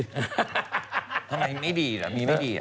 ทำไมไม่ดีเหรอมีไม่ดีเหรอ